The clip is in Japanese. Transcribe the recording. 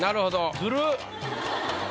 ずるっ。